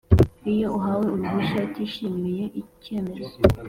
Iyo uwahawe uruhushya atishimiye icyemezo